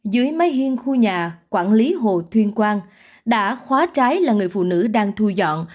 dưới máy hiên khu nhà quản lý hồ tuyên quang đã khóa trái là người phụ nữ đang thu dọn